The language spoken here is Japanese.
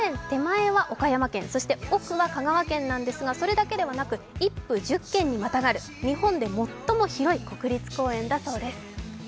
手前は岡山県、そして奥は香川県なんですが、それだけではなく１府１０県にまたがる日本で最も広い国立公園だそうです。